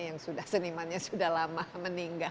yang sudah senimannya sudah lama meninggal